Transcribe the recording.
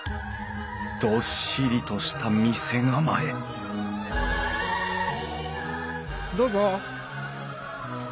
どっしりとした店構えどうぞ。